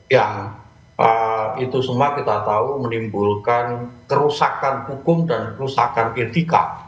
ya itu semua kita tahu menimbulkan kerusakan hukum dan kerusakan etika